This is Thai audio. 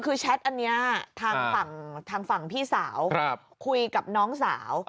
คือแชทอันนี้ทางฝั่งพี่สาวคุยกับน้องสาว